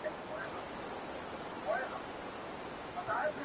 د زلمیو پاڅېدلو په اوږو کي؛